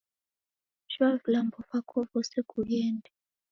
Shoa vilambo vako vose kughende